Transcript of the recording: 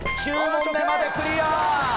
９問目までクリア。